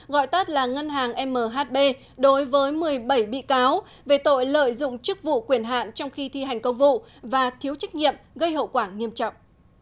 gọi tắt là ngân hàng mhb đối với một mươi bảy bị cáo về tội lợi dụng chức vụ quyền hạn trong khi thi hành công vụ và thiếu trách nhiệm gây hậu quả nghiêm trọng